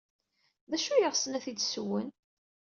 D acu ay ɣsen ad t-id-ssewwen?